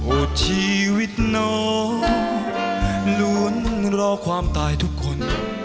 โอดชีวิตนอล้วนรอความตายทุกคน